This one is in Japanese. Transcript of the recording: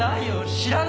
知らないよ！